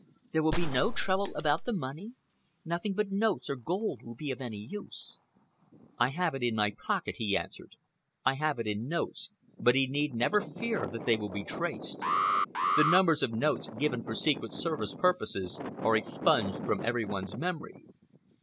There will be no trouble about the money? Nothing but notes or gold will be of any use." "I have it in my pocket," he answered. "I have it in notes, but he need never fear that they will be traced. The numbers of notes given for Secret Service purposes are expunged from every one's memory."